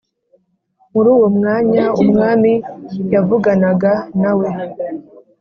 Muri uwo mwanya umwami yavuganaga nawe